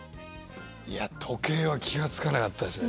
いや時計は気が付かなかったですね。